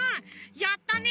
やったね。